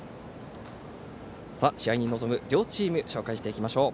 試合に臨む両チーム紹介していきましょう。